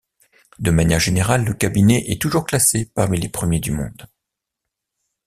De manière générale, le cabinet est toujours classé parmi les premiers du monde.